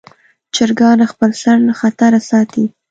چرګان خپل سر له خطره ساتي.